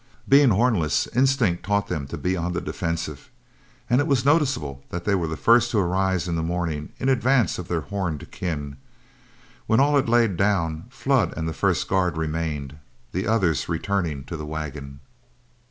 Being hornless, instinct taught them to be on the defensive, and it was noticeable that they were the first to arise in the morning, in advance of their horned kin. When all had lain down, Flood and the first guard remained, the others returning to the wagon.